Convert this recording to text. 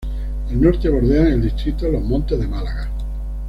Al norte bordean el distrito los Montes de Málaga.